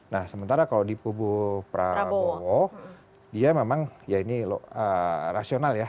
nah sementara kalau di kubu prabowo dia memang ya ini rasional ya